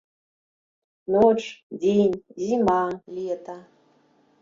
Ноч, дзень, зіма, лета.